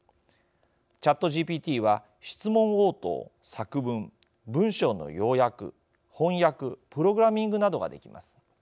ＣｈａｔＧＰＴは質問応答作文文章の要約翻訳プログラミングなどができます。